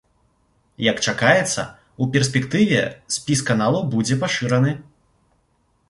Як чакаецца, ў перспектыве спіс каналаў будзе пашыраны.